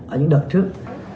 ở những đợt trước